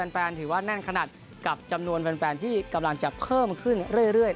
ถือว่าแน่นขนาดกับจำนวนแฟนที่กำลังจะเพิ่มขึ้นเรื่อย